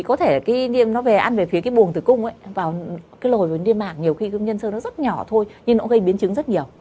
có thể nó về ăn về phía cái buồng tử cung vào cái lồi điên mạng nhiều khi nhân sơ nó rất nhỏ thôi nhưng nó gây biến chứng rất nhiều